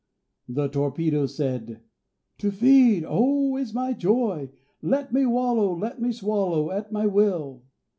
The Torpedo said, "To feed, oh! is my joy; Let me wallow, let me swallow at my will!"